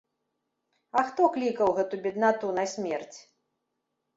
А хто клікаў гэту беднату на смерць?